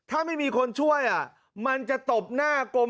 ถ้าไม่มีคนช่วยมันจะตบหน้ากลม